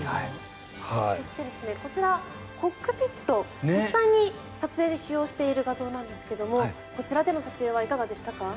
そしてこちらコックピット実際に撮影で使用している画像なんですがこちらでの撮影はいかがでしたか？